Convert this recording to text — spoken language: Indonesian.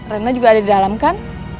remnya juga ada di dalam kan